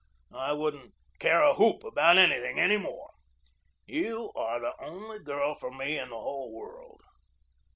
I wouldn't care a whoop about anything any more. You are the only girl for me in the whole world.